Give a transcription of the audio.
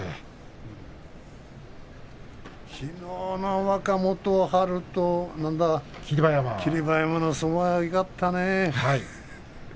きのうの若元春と霧馬山の相撲はよかったね。